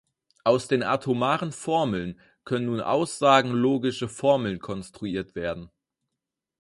Aus den atomaren Formeln können nun aussagenlogische Formeln konstruiert werden.